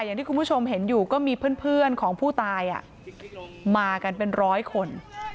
อย่างที่คุณผู้ชมเห็นอยู่ก็มีเพื่อนของผู้ตายมากันเป็นร้อยคน